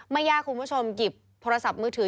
ไม่ยากคุณผู้ชมหยิบโทรศัพท์มือถือ